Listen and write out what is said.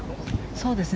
そうですね。